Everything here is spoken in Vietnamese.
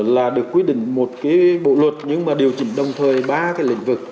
là được quyết định một bộ luật nhưng mà điều chỉnh đồng thời ba lĩnh vực